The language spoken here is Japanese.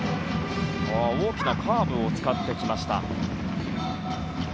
大きなカーブを使ってきました。